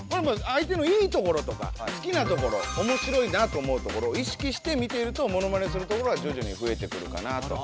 相手のいいところとか好きなところおもしろいなと思うところをいしきして見ているとモノマネするところがじょじょにふえてくるかなあと。